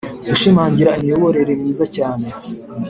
gushimangira lmiyoborere myiza cyane